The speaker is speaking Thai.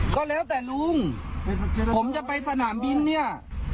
ก็แล้วแต่ลุงผมจะไปสนามบินเนี่ย